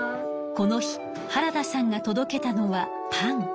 この日原田さんが届けたのはパン。